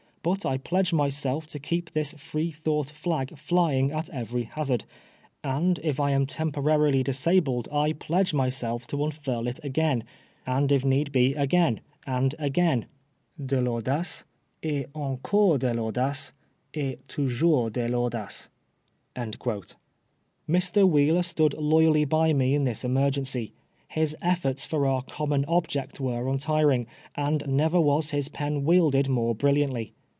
But I pledge myself to keep this Free thoufi^ht flag flying at every ha^d, and if I am temporarily dis abled 1 pledge myself to unfurl it again, and if need be again, and gain. De Vauchce, et encore de rau<kice, et toujours de Vaudace,^ Mr. Wheeler stood loyally by me in this emergency. His efforts for our common object were untiring, and aever was his pen wielded more brilliantly.